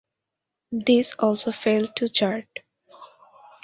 This also failed to chart.